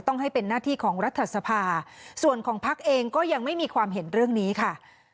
ต้องให้เป็นหน้าที่ของรัฐสภาส่วนของพักเองก็ยังไม่มีความเห็นเรื่องนี้ค่ะ